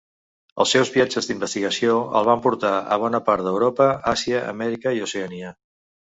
Els seus viatges d'investigació el van portar a bona part d'Europa, Àsia, Amèrica i Oceania.